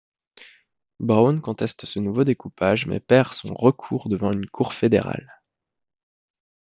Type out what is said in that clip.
Brown conteste ce nouveau découpage mais perd son recours devant une cour fédérale.